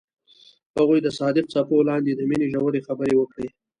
هغوی د صادق څپو لاندې د مینې ژورې خبرې وکړې.